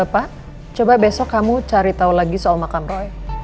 pak coba besok kamu cari tau lagi soal makan roy